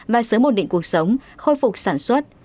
và sớm ổn định cuộc sống khôi phục sản xuất